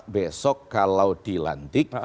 besok kalau dilantik